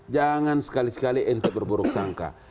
jangan sekali sekali untuk berburuk sangka